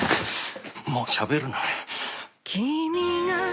「もうしゃべるな」